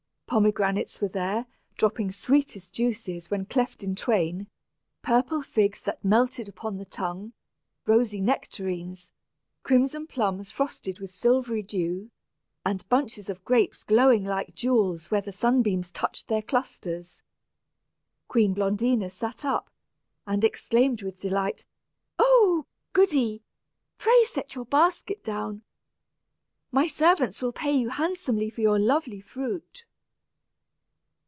Pomegranates there were, dropping sweetest juices when cleft in twain, purple figs that melted upon the tongue, rosy nectarines, crimson plums frosted with silvery dew, and bunches of grapes glowing like jewels where the sunbeams touched their clusters. Queen Blondina sat up, and exclaimed with delight, "Oh! Goody, pray set your basket down. My servants will pay you handsomely for your lovely fruit."